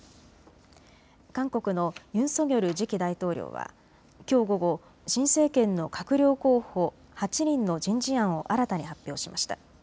韓国のユン・ソギョル次期大統領はきょう午後、新政権の閣僚候補８人の人事案を新たに発表しました。